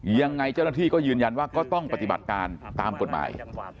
ยังไงเจ้าหน้าที่ก็ยืนยันว่าก็ต้องปฏิบัติการตามกฎหมาย